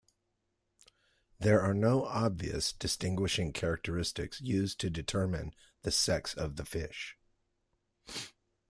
There are no obvious distinguishing characteristics used to determine the sex of the fish.